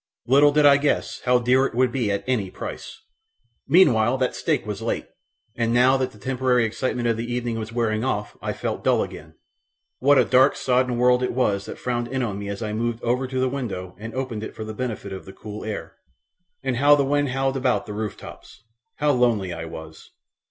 Little did I guess how dear it would be at any price! Meanwhile that steak was late, and now that the temporary excitement of the evening was wearing off I fell dull again. What a dark, sodden world it was that frowned in on me as I moved over to the window and opened it for the benefit of the cool air, and how the wind howled about the roof tops. How lonely I was!